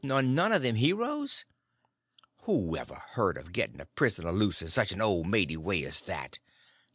nor none of them heroes? Who ever heard of getting a prisoner loose in such an old maidy way as that?